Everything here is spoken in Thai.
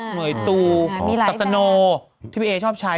เหมือตูอัตษโนวที่พี่เอดย์ชอบใช้